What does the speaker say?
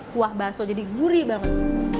kuah bakso jadi gurih banget